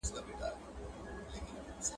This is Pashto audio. څېړنه د پرمختګ کلید ده.